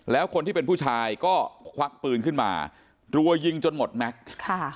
แล้วคนที่เป็นผู้ชายก็ควักปืนขึ้นมารัวยิงจนหมดแม็กซ์ค่ะ